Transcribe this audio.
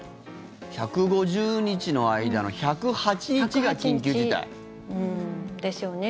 １５０日の間の１０８日が緊急事態。ですよね。